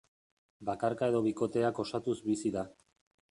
Bakarka edo bikoteak osatuz bizi da.